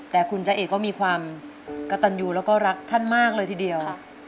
แต่คุณจ้าเอกก็มีความกระตันยูแล้วก็รักท่านมากเลยทีเดียว